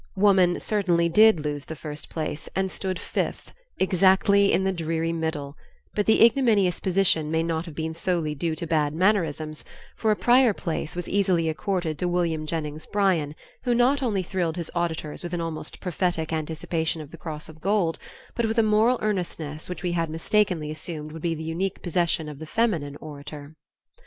Woman certainly did lose the first place and stood fifth, exactly in the dreary middle, but the ignominious position may not have been solely due to bad mannerisms, for a prior place was easily accorded to William Jennings Bryan, who not only thrilled his auditors with an almost prophetic anticipation of the cross of gold, but with a moral earnestness which we had mistakenly assumed would be the unique possession of the feminine orator.